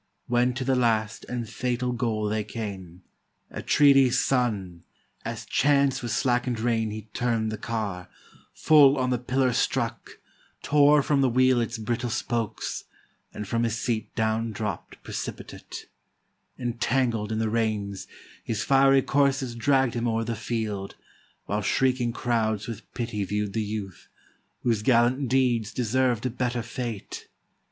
When to the last And fatal goal they came, Atrides' son, As chance with slacken'd rein he turn'd the car, Full on the pillar struck, tore from the wheel 73 GREECE Its brittle spokes, and from his seat down dropp'd Precipitate: entangled in the reins, His fiery coursers dragg'd him o'er the field. While shrieking crowds with pity view'd the youth, Whose gallant deeds deserved a better fate.